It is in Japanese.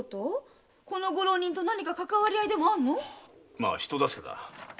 まあ人助けだ。